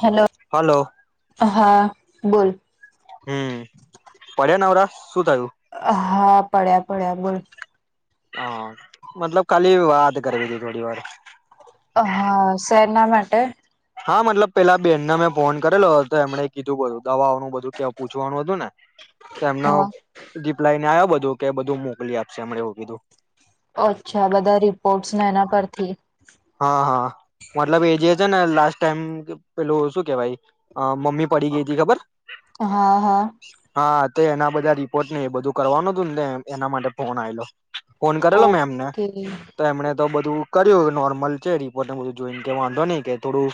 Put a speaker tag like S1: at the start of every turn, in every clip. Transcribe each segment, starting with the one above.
S1: Hello
S2: hello
S1: હા બોલ
S2: હમ પડ્યા નવરા શું થયું
S1: હા પડ્યા પડ્યા બોલ
S2: હા મતલબ ખાલી વાત કરવી હતી થોડી વાર
S1: હા શેરના માટે
S2: હા મતલબ પેલા બેનને મેં ફોન કરેલો હતો એમણે કીધું બું દવાઓ નનું બધું કે પૂછવાનું હતું ને એમનો
S1: હા
S2: જીપ લઈને આવ્યો બોલો ું કે બધું મોકલી આપશે અ એવું બીધું
S1: અચ્છા બધા રિપોર્ટ્સને એના પરથી
S2: હા હા મતલબ એ જે ને લાસ્ટ ટાઈમ પેલોું શું કેવાય મમ્મી પડી ગઈ હતી ખબર
S1: હા હા
S2: હા એના બધા રિપોર્ટ નને એ બધું કરવાનું હતું ને એના માટે ફોન આલો ફોન કરેલો મેં એમને
S1: ઓકે
S2: તો એમણે બધું કર્યું નોર્ મળ રિપોર્ટને બધું જોઈને કે વાંધો નહીિ કે થોડું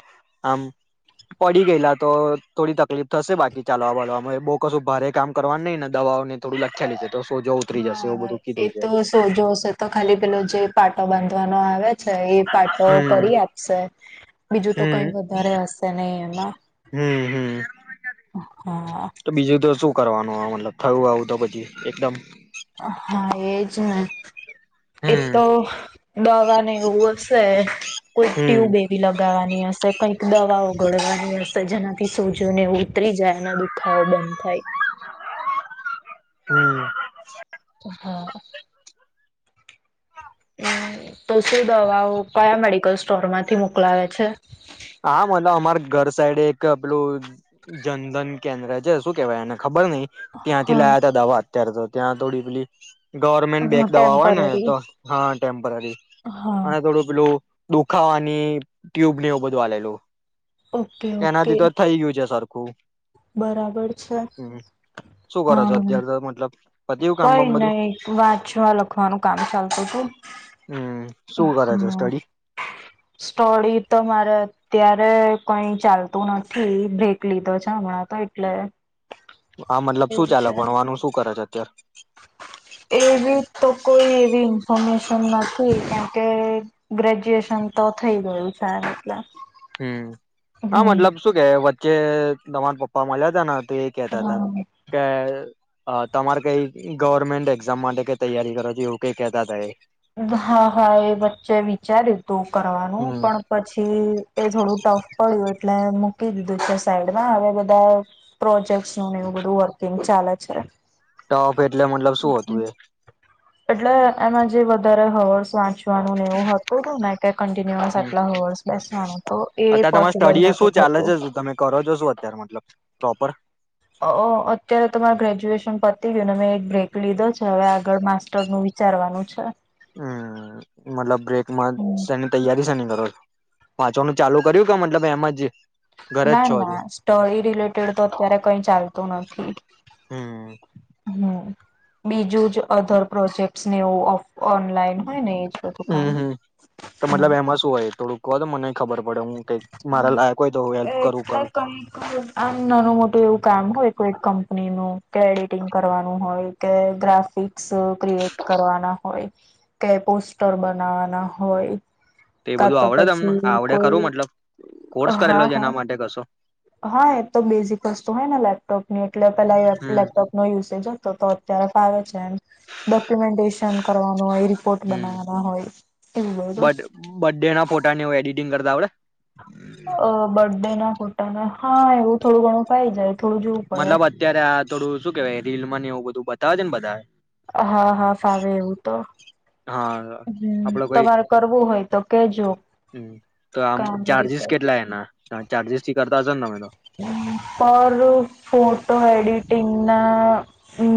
S2: આમ પડી ગયેલા તો થોડી તકલીફ થશે બાકી ચાલવા વાળવા બહુ કશું ભારે કામ કરવાનું નહીિ ને દવાઓને થોડું લખેલી છે તો સોજો ઉતરી જશે એવું
S1: હા
S2: બધું
S1: એ
S2: કીધું છે
S1: તો સોજો હશે તો ખાલી પેલો જે પા તો બંધ આવે છે એ પાટો
S2: હમ
S1: કરી આપશે બીજું તો
S2: હમ
S1: કઈ વધારે હશે નહ એમાં
S2: હમ હમ
S1: હા
S2: તો બીજું તો શું કરવાનું મતલબ થયું આવું તો પછી એકદમ
S1: જ એ
S2: હમ
S1: તો દવાને એવું હશે કોઈ
S2: હમ
S1: ટ્યુબ એવી લગાવાની હશે હ કઈક દવાઓ ઘડવાની હશે જેનાથી સોજો ને ઉતરી જાય એના દુખાવો બંધ થાય
S2: હમ
S1: હા હમ તો શું દવાઓ કયા મેડિકલ સ્ટોર માંથી મોકલાવે છે
S2: હા મતલ અમાર ઘર સાઈડે એક પેલું જનધન કેન્દ્ર છે શું કેવાય એને ખબર નહ ત્યાંથી
S1: હા
S2: લાયા હતા દવા અત્યારે તો ત્યાં થોડી પેલી ગવર્મેન્ટ
S1: હા
S2: બેક દવા હોય ને
S1: ટેમ્પરરી
S2: તો હા
S1: હા
S2: અને થોડું પેલોું દુખાવાની ટ્યુબ ની એવું બંધ જોવા લલું
S1: ઓકે ઓકે
S2: એનાથી તો થઈ ગયું છે સારું. કો
S1: બરાબર છે
S2: શું કરો છો
S1: હા
S2: અત્યારે તો મતલબ પત્યું કામ
S1: કઈ
S2: બામ બધું
S1: નહી વાંચવા લખવાનું કામ ચાલતું હતું
S2: હમ શું
S1: હ
S2: કરે છે સ્ટડી
S1: સ્ટોડી તો મારે અત્યારે કઈ ચાલતું નથી બ્રેક લીધો છે હમણાં તો એટલે
S2: આ મતલબ શું
S1: એવું છે.
S2: ચાલક ભણવા આનું શું કરે છે હત અર
S1: એવી તો કોઈ કે ગ્રેજ્યુએશન તો થઈ ગયું છે એટલે
S2: હમ હા
S1: હમ.
S2: મતલબ શું કે ચે તમાર પપ્પા મળ્યા હતા તો એ કેતા હતા કે અ તમારે કઈ ગવર્મેન્ટ એક્ઝામ માટે કઈ તૈયારી કરો છો એવું કઈ કેહેતા હતા એ
S1: હા હા એ વચ્ચે વિચાર્યું તો કરવાનું
S2: હમ
S1: પણ પછી એ થોડું ટફ પડ્યું એટલે મૂકી દીધું છે સાઈડમાં હવે બધા પ્રોજેક્ટ નું એવું બધું વર્કિંગ ચાલે છે.
S2: ટોપ એટલે મતલબ શું
S1: હમ
S2: હતું એ
S1: એટલે એમાં જે રહ હવ સાં ચ [unintelligible] નુંને એવું હતું હતું ને કન્ટિન્યુઅસ
S2: હમ
S1: આટલા હવર્સ બેસવાનું તો એ
S2: અત્યારે તમારે
S1: પોસિબલ
S2: સ્ટડી એ
S1: નતું
S2: શું ચાલે
S1: થતું.
S2: છે શું તમે કરો છો શું અત્યારે મતલબ પ્રોપર
S1: અત્યારે તમાર ગ્રેજ્યુએશન પતી ગયું મેં એક બ્રેક લીધો છે હવે આગળ માસ્ટરનું વિચારવાનું છે.
S2: હમ મતલબ બ્રેક માત્ર
S1: હમ.
S2: સૈની તૈયારી સૈની બ વાંચવાનું ચાલુ કર્યું કે મતલબ એમ જ ઘરે જ
S1: ના
S2: છો હજુ
S1: ના સ્ટડી રિલેટેડ તો અત્યારે કઈ ચાલ તો નથી ઠીક
S2: હમ
S1: હમ બીજું જ અધર પ્રોજેક્ટ ને એવું ઓફ
S2: હમ હમ તો મતલબ એમાં શું હોય થોડુંક કો તો મને ખબર પડે હું કઈક મારા
S1: હમમ
S2: લાયક હોય તો હું હેલ્પ કરું
S1: એટલે
S2: કરું
S1: આમ નાનું મોટું એવું કામ હોય કોઈ કંપ કંપની નું કે એડિટિંગ કરવાનું હોય કે ગ્રાફિક્સ ક્રિએટ કરવાના હોય કે પોસ્ટર બનાવાના હોય.
S2: એ
S1: કા
S2: બધું
S1: તો
S2: આવડે તમને
S1: પછી
S2: આવડે
S1: કોઈ
S2: ખરું મતલબ કોર્સ
S1: હા
S2: કરેલો છે
S1: હા
S2: એના માટે કશો
S1: હા એ તો બેઝિક વસ્તુ હોય ને લેપટોપની એટલે પેલા
S2: હમ
S1: લેપટોપ નો યુસેજ જ તો તો અત્યારે ફાવર ડોક્યુમેન્ટેશન કરવાનું હોય રિપોર્ટ
S2: હમ
S1: બનાવવાના હોય એવું બધું
S2: ફોટાની એવુ એડિટિંગ કરતા આવડે
S1: અ બર્ડેના હા એવું થોડું ઘણું થય જાય. થોડું જોવું પડે
S2: મતલબ અત્યારે આ થોડુ શું કેવાય રીલ માં ને એવું બધું બતાવે છે ને બધા
S1: હા હા ફાવે એવું તો
S2: હા
S1: હમ
S2: અઆપડે કોઈ
S1: તમારે કરવું હોય તો કેજો
S2: હમમ તો આમ
S1: કામની
S2: ચાજીસ
S1: રીતે
S2: કેટલા એના ચાર્જસ થી કરતા હસો ને તમે તો
S1: પર ફોટો એડિટિંગના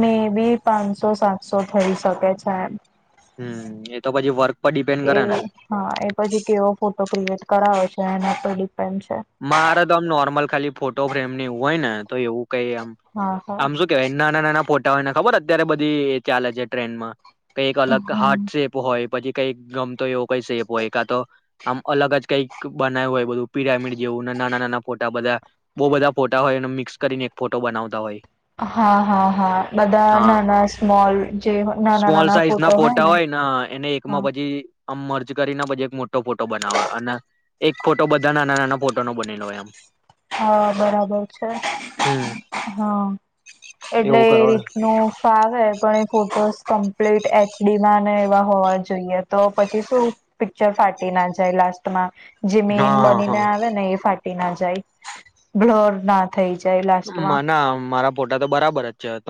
S1: મે બી પાંનસો સાતસો થઈ શકે છે એમ
S2: હમમ એ તો પછી વર્ક પર ડિપેન્ડ
S1: એ
S2: કરે ને
S1: હા એ પછી કેવો ફોટો ક્રિએટ કરાવે છે તેના પર ડીપ
S2: મારે તોમ નોર્મલ ખાલી ફોટો ફ્રેમ ને એવું હોય ને તો એવું કય આમ
S1: હા હા
S2: આમ શું કેવાય નાના નાના પો હોય ને ખબર અત્યારે બધી એ ચાલે છે ટ્રેન માં કઈક અલગ
S1: હમ
S2: હાર્ટ સેપ હોય પછી કઈ ગમતો એવો કય શેપ હોય કા તો આમ અલગ જ કંઈક બનાવ્યું હોય બધું પિરામિડ જેવુ નાના નાના ફોટા બધા બો બધા ફોટા હોય એને મિક્સ કરીને એક ફોટો બનાવતા હોય.
S1: હા હા હા બધા
S2: હા
S1: નાના સ્મોલ જે નાના
S2: સ્મોલ
S1: નાના
S2: સાઈઝ ના
S1: ફોટો
S2: ફોટા
S1: હોયને
S2: હોય ને એને એકમાં
S1: હા
S2: પછી આમ મર્જ કરીને પછી એક મોટો ફોટો બનાવે અને એક ફોટો બધા નાના નાના ફોટો ના બનેલો હોય એમ
S1: હા બરાબર છે.
S2: હમ
S1: હા એટલે
S2: એવું
S1: એ
S2: કરવા
S1: રીતનું ફાવે પણ એ ફોટોસ સટ [unintelligible] એચડીમાં ને એવા હોવા જોઈએ તો પછી શું પિક્ચર ફાટી ના જાય લાસ્ટમાં જે મેન
S2: હા
S1: બનીને
S2: હા
S1: આવે ને એ ફાટ ફાટી ના જાય. બ્લોોરનાથ
S2: મા ના મારા ફોટા તો બરાબર જ છે હ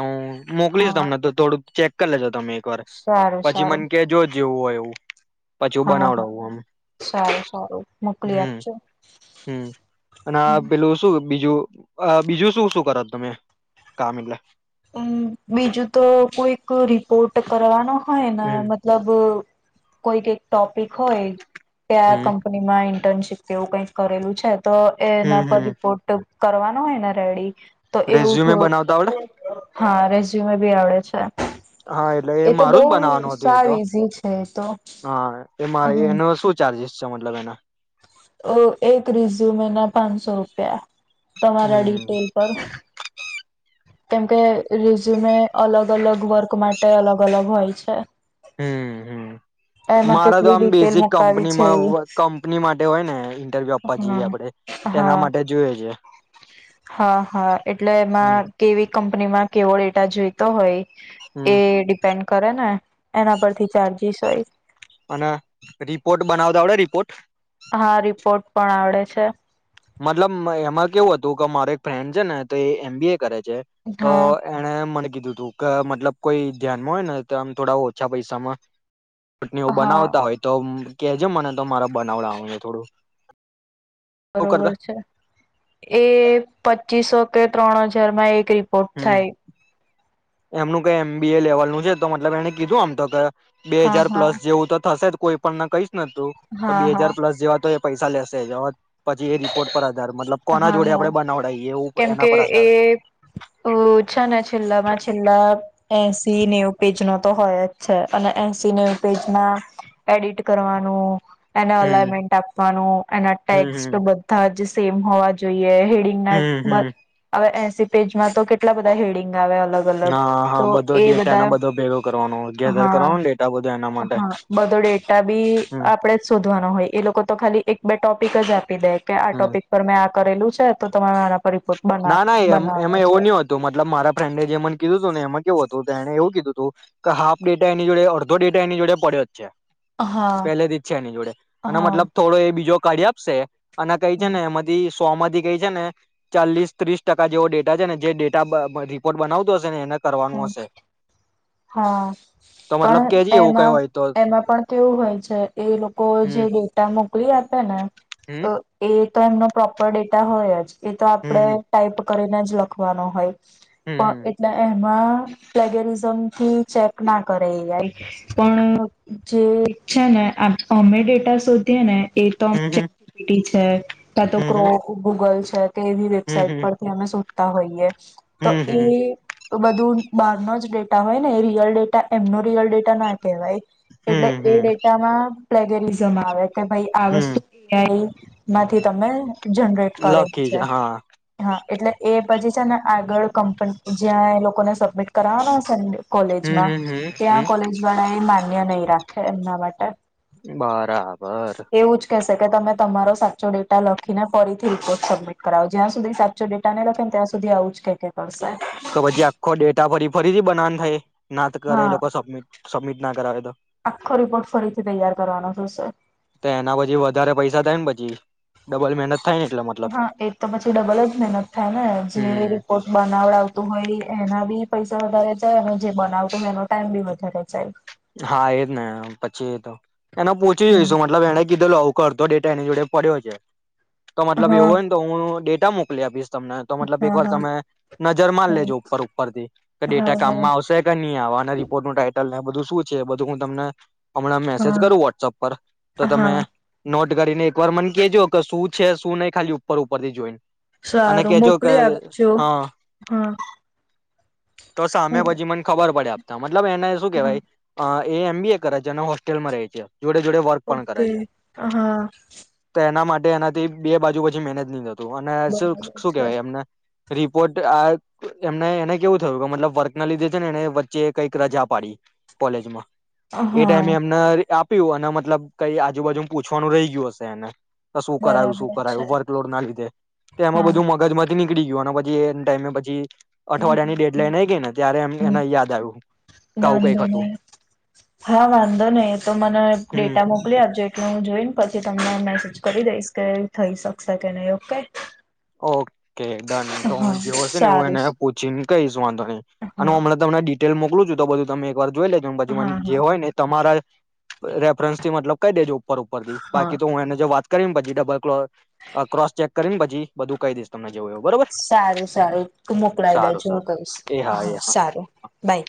S2: મોકલીશ
S1: હા
S2: તમને થોડું ચેક કા જ તમે એક વાર
S1: સારું
S2: પછી મને
S1: સારું
S2: કે જો જેવું હોય એવું, પછી હું
S1: હા હા
S2: બનાવડાવું આમ
S1: સારું સારું મોકલી
S2: હમ
S1: આપજો
S2: હમ અને આ પેલું શું બીજું બીજું શું શું કર તમે કામ એટલે
S1: હમ કોટ કરવાનું હાના
S2: હમ
S1: મતલબ કોઈ દ ટોપિક હોય કે આ
S2: હમ
S1: કંપનીમાં ર્નશીપ તેવું કંઈક કરેલું છે તો એ
S2: હમ
S1: એના પર
S2: હમ
S1: રિપોર્ટ કરવાનું હોયને રેડી તો એવું
S2: રેઝ્યુમે
S1: થોડું
S2: બનાવતા આવડે
S1: હા રેઝ્યુમે બી આવડે છે
S2: હા એટલે એ
S1: તો બહુ
S2: મારું જ બનાવાનું હતું એ
S1: સાવ
S2: તો
S1: ઈઝી છે એ તો
S2: હા એ મા
S1: હમ
S2: એનો શું ચાર્જસ સમજ લગના
S1: એક રિઝ્યુમ ના પાંચસો રૂપિયા તમારા
S2: હમ
S1: ડિટેલ પર કેમકે રિઝ્યુમે અલગ અલગ વર્ક માટે અલગ અલગ હોય છે
S2: હમ
S1: એમાં
S2: મારા તો
S1: કેટલી
S2: આમ
S1: ડિટેલ
S2: બેઝિક
S1: મુકાવી છે
S2: કંપનીમાં
S1: એ
S2: કંપની માટે હોય ને ઇન્ટરવ્યુ આપવા જઈએ
S1: હમ
S2: આપડે તેના
S1: હા
S2: માટે જોઈએ છે
S1: હા હા એટલે
S2: હમ
S1: એમાં કેવી કંપનીમાં કેવો ડેટા જોઈતો હોય એ
S2: હમ
S1: ડિપેન્ડ કરે ને એના પરથી ચાર્જીસ હોય,
S2: અને રિપોર્ટ બનાવતા વડે રિપોર્ટ
S1: હા રિપોર્ટ પણ આવડે અચ્છા
S2: મતલબ એમાં કેવું હતું કે મારે એક ફ્રેન્ડ છે ને તો એ એમ બી કરે છે તો
S1: હા
S2: એને મને કીધું તું કે મતલબ કોઈ ધ્યાનમાં હોય ને તો આમ થોડા ઓછા પૈસામાં ચૂટણી
S1: હા
S2: બનાવતા હોય તો કેજ મને તો મારા બનાવલા હોને થોડું. શું
S1: બરોબર
S2: કરતા
S1: છે, એ પચીસો કે ત્રણ હજાર માં એક રિપોર્ટ
S2: હમ
S1: થાય.
S2: એમનું કઈ એમ બી એ લેવલ નું છે તો મલબ એને કીધું આમ તો, કે બે
S1: હા
S2: હજાર
S1: હા
S2: પ્લસ જેવું તો થશે કોઈ પણ ના કઈ તું તો
S1: હા
S2: બે હજાર
S1: હા
S2: પ્લસ જેવા તો પૈસા લેશે પછી એ રિપોર્ટ પર મતલબ કોના
S1: હા
S2: જોડે
S1: હા
S2: આપડે બનાવડએ એવું એના પર આધાર છે.
S1: છે ને છેલ્લામાં છેલ્લા એસી નેવ પેજ નો તો હોય જ છે અને એસી નેવ પેજમાં એડિટ કરવાનું એને
S2: હમ
S1: અલાઈમેન્ટ આપવાનું એના ટેક્સ્ટ
S2: હમ હમ
S1: બધા જ સેમ હોવા જોઈએ. હેડિંગ
S2: હમ હમ
S1: હ પેજમાં તો કેટલા બધા હેડિંગ અલગ અલગ
S2: હા
S1: તો
S2: હા બધો
S1: એ
S2: ડેટા
S1: બધા
S2: ના બધો ભેગો કરવાનો ગેધર
S1: હા
S2: કરવાનો ડેટા બ
S1: હા બધો ડેટા બી
S2: હમ
S1: આપણેે જ શોધવાનો હોય એ લોકો તો ખાલી એક બે ટોપિક જાર દે કે આ
S2: હમ
S1: ટોપિક પર મેં આપ કરેલું છે તો તમામેરા
S2: ના ના એમ એમાં એવો નહ હતું મતલબ મારા ફ્રેન્ડે જેમને કીધું ને એમાં કેવું હતું એવું કીધું હાફ ડેટા એની જોડે અડધો ડેટા એની જોડે પડ્યો જ છે.
S1: હા
S2: પેલેથી જ છે એની જોડે, અને
S1: હા
S2: મતલબ થોડો એ બીજો કાઢી આપશે અને કઈ છે ને એમાંથી સોમથી કઈ છે ને ચાલીસ ત્રીસ ટકા જેવો ડેટા છે ને જે ડેટા રિપોર્ટ બનાવતો હશે ને એને કરવાનું હશે.
S1: હા,
S2: તો મતલબ
S1: પણ
S2: કેજ એવું કઈ
S1: એમાં
S2: હોય તો
S1: એમાં પણ કેવું હોય છે એ લોકો જે
S2: હમ
S1: ડેટા મોકલી આપે ને,
S2: હમ
S1: એ એ તો, એમનો પ્રોપર ડેટા હોય જ. એ તો
S2: હમ
S1: આપડે
S2: હમ
S1: ટાઈપ કરીને જ લખવાનો હોય.
S2: હમ
S1: પણ
S2: હમ
S1: એટલે એ માં પ્લેગેરિઝમ થી ચેક ના કરે, પણ જે છે ને અમે ડેટા શોધીએ ને એ
S2: હમ
S1: તોટી
S2: હમ
S1: છે કા તો
S2: હમ હમ
S1: ક્રોમ, ગુગલ [unintelligible] કેવી વેબસાઇટ
S2: હમ
S1: પરથી અમે શો તા હોઈએ તો
S2: હમ હમ
S1: એઈ બધું બહાર ન જ ડેટ ના હોય ને, એ રિયલ ડેટા એમનો રિયલ ડેટા ના કહેવાય. એટલે
S2: હમ
S1: એ
S2: હમ
S1: ડેટામાં પ્લેગરિઝમ આવે. કે ભાઈ, આ વસ્તુ
S2: હમ
S1: [inaudible] થઈ માંથી તમે! જનરેટ કરેલ
S2: લકી જ
S1: છે
S2: હા
S1: હા [unintelligible] એટલે એ પછી છે ને, આગળ કંપની જ્યાં એ લોકોને સબમિટ કરાવ
S2: હમ
S1: કોલેજમાં
S2: હમ હમ
S1: ત્યાં
S2: હમ
S1: કોલેજ વાળા એ માન્ય નહીં એમના માટે
S2: બરાબર
S1: એવું જ કહેશે તમે તમારો સાચો ડેટા લખીને ફરીથી રિપોર્ટ સબમિટ કરાવો. જ્યાં સુધી સાચો ડેટા નહી લખેને ત્યાં સુધી આવું જ કે કે કરશે
S2: જે આખો ડેટા ફરી ફરીથી બનાન થાય ના તે કરે
S1: હા
S2: એ લોકો સબમિટ સબમિટ ના કરાવે એ તો
S1: આખો રિપોર્ટ ફરીથી તૈયાર કરવાનો થશે
S2: એના પછી વધારે પૈસા થાય ને, પછી ડબલ મહેનત થાય ને એટલે મતલબ
S1: હા એ તો પછી ડબલ જ મહેનત થાય ને, જે
S2: હમ
S1: રિપોર્ટ બનાવડાવતું આવતું હોય એના બી પૈસા વધારે જાય, અને જે બનાવતો હોય એનો ટાઈમ બી વધારે જાય
S2: હા એજ ને પછી એ તો પૂછી
S1: હમ
S2: જોઈશું મતલબ એણે કીધેલો આવું કરતો, ડેટા એની જોડે પડ્યો છે તો મતલબ
S1: હા
S2: એવું હોય ને, તો હું ડેટ ક્યાં મોકલી આપીસ હા! તો મતલબ એક
S1: હા
S2: વાર
S1: હા
S2: તમે નજર માર
S1: હમ
S2: લેજો ઉપર ઉપર થી, કે
S1: હા
S2: ડેટા કામમાં
S1: હા
S2: આવશે કે ની આવવાના રિપોર્ટ નું ટાઈટલ પૂછે બધું હું તમને હમણાં મેસેજ કરું વોટ્સઅપ પર તો
S1: હા
S2: તમે
S1: હા
S2: નોટ કરી ને એક વાર મન કજો કે શું છે શું નહી ખાલી ઉપર ઉપર થી જોઈને અને
S1: સારું
S2: કેજો કે
S1: મોકલી આપજો
S2: હા
S1: હા
S2: તો સામે
S1: હું
S2: પછી મને ખબર પડે આપ તમામ મતલબ એને શું
S1: હા
S2: કેવાય એ એમ બી એ કરે છે ને હોસ્ટેલમાં રહે છે જોડે જોડે વર્ક પણ કરાય
S1: ઓકે
S2: છે,
S1: હા
S2: તો એના માટે એનાથી બે બાજુ પછી મેનેજ ની અને શ
S1: બરાબર
S2: શું
S1: છે
S2: કેવાય એમને રિપોર્ટ આ એમને એને કેવું થયું કે મતલબ વર્ક ના લીધે છે ને એને વચ્ચે કઈક રજા પાડી કોલેજમાં એ ટાઈમે
S1: હા
S2: એમના એવોને મતલબ કઈ આજુબાજુમ પૂછવાનું રહી ગયું હશે એને તો શું કરાયું શું
S1: બરાબર છે
S2: કરાયું વર્કલોડ ના લીધે તે એમાં
S1: હા
S2: બધું મગજ મજ નીકળી ગયો અને પછી એન્ડ ટાઈમે પછી
S1: હમ
S2: અઠવાડિયા ની ડેટ
S1: હમ
S2: લઈને આ ગઈ ને ત્યારે એમ
S1: હમ
S2: એને યાદ આવ્યું ક આવું
S1: વાંધો
S2: કઈ
S1: હા વાંધો નહીિ તો મને
S2: હમ
S1: ડેટા મોકલી આપજો એટલું હું જોઈને પછ તમમેને મેસેજ કરી દઈશ કે થઈ શકશે કે નહી ઓકે
S2: ઓકે કે ડન તો
S1: હા
S2: હ જેવો હશે ને એવું
S1: સારું
S2: એને પૂછી ને કઈશ વાંધો નહી અને
S1: હા
S2: હમણાં તમને લ મોકલું છું તો બધું તમે વાર જોઈ લેજો બાજુ
S1: હા
S2: જે
S1: હા
S2: હોય ને તમારા રેફરન્સ થી મતલબ કઈ દેજો ઉપર ઉપરી
S1: હા
S2: બાકી તોને જો વાત કરીમ ભાછજી ડબલ ક્ર ક્રોસ ચેક કરીમ ભાછી બધું કઈ દસત
S1: સારું સારું તું મોકલાય દે
S2: સારું
S1: જો
S2: સારું
S1: કશ
S2: એ
S1: હા
S2: એ
S1: સારું બાય